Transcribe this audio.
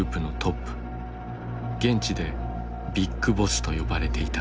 現地でビッグボスと呼ばれていた。